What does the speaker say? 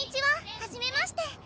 はじめまして。